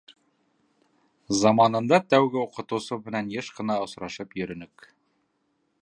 Заманында тәүге уҡытыусым менән йыш ҡына осрашып йөрөнөк.